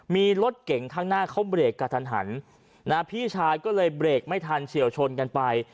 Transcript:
มีรถเก่งข้างหน้าเขาเบรกกระทันหันนะพี่ชายก็เลยเบรกไม่ทันเฉียวชนกันไป